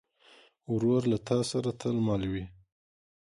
ورور له تا سره تل مل وي.